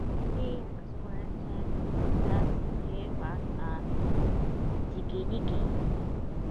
He explained that he was a "jikininki".